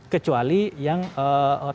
kecuali yang tower navigasi